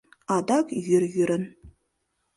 Адак йӱр йӱрын.